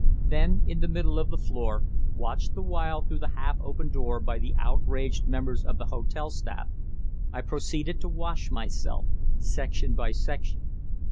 Then, in the middle of the floor, watched the while through the half open door by the outraged members of the hotel staff, I proceeded to wash myself section by section.